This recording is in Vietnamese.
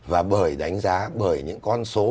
và bởi đánh giá bởi những con số